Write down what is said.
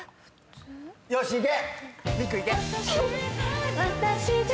よしっいけ！